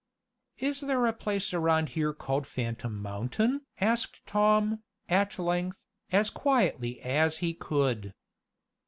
"Is there a place around here called Phantom Mountain?" asked Tom, at length, as quietly as he could.